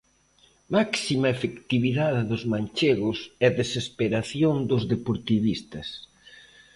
Máxima efectividade dos manchegos e desesperación dos deportivistas.